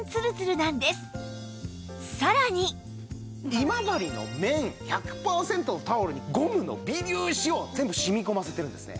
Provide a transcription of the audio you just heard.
今治の綿１００パーセントのタオルにゴムの微粒子を全部染み込ませてるんですね。